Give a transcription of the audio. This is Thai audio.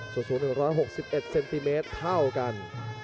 สูง๑๖๑เซนติเมตรเท่ากัน